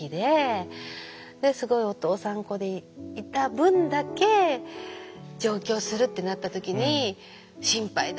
すごいお父さん子でいた分だけ上京するってなった時に「心配だ」って。